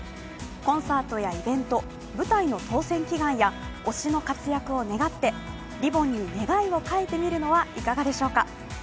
コンサートやイベント、舞台の当選祈願や推しの活躍を願って、リボンに願いを書いてみるのはいかがでしょうか？